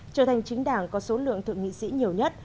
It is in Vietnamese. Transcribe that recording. trở thành chính đảng có số lượng thượng nghị sĩ nhiều nhất